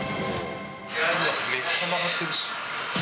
うわっ、めっちゃ曲がってるし。